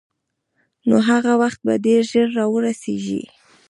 نو هغه وخت به ډېر ژر را ورسېږي.